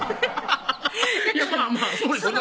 まぁまぁそうですよね